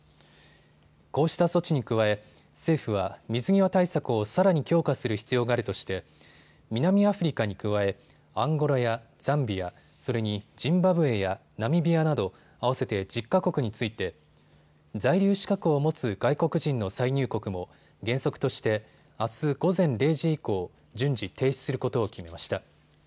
こうした措置に加え政府は水際対策をさらに強化する必要があるとして南アフリカに加え、アンゴラやザンビア、それにジンバブエやナミビアなど合わせて１０か国について在留資格を持つ外国人の再入国も原則としてあす午前０時以降、順次、停止することを決めました。